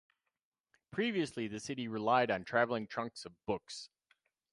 Previously the city relied on traveling trunks of books.